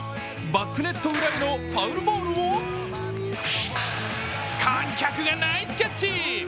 バックネット裏へのファウルボールを観客がナイスキャッチ。